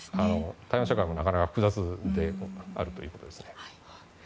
台湾社会もなかなか複雑であるということですね。